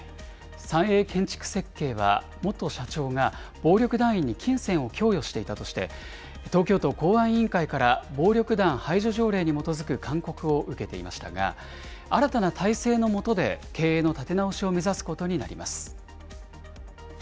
三栄建築設計は元社長が暴力団員に金銭を供与していたとして、東京都公安委員会から暴力団排除条例に基づく勧告を受けていましたが、新たな体制の下で経営の立て直しを目指すことになります。